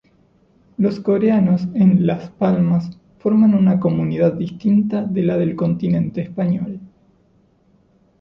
Los coreanos en Las Palmas forman una comunidad distinta de la del continente español.